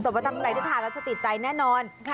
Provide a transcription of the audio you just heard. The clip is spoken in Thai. แต่ก็ตั้งใดที่ทานก็จะติดใจแน่นอน